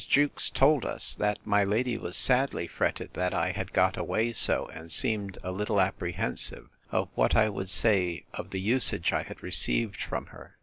Jewkes told us, That my lady was sadly fretted that I had got away so; and seemed a little apprehensive of what I would say of the usage I had received from her.